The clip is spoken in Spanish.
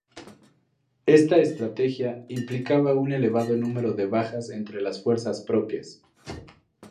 Esta estrategia implicaba un elevado número de bajas entre las fuerzas propias.